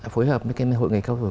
phối hợp với cái hội người cao tuổi